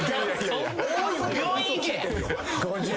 病院行け！